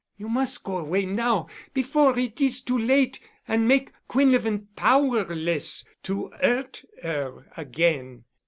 You mus' go away now before it is too late an' make Quinlevin powerless to 'urt 'er again..